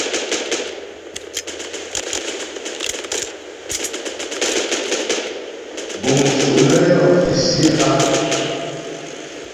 Búŋ tsú' nə́ yɔ́ físi hə́ ?